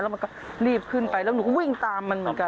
มันก็รีบขึ้นไปแล้วหนูก็วิ่งตามมันเหมือนกัน